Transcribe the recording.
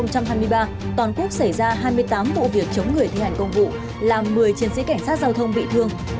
chống người thi hành công vụ làm một mươi chiến sĩ cảnh sát giao thông bị thương